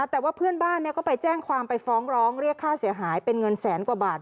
แต่ว่าเพื่อนบ้านก็ไปแจ้งความไปฟ้องร้องเรียกค่าเสียหายเป็นเงินแสนกว่าบาท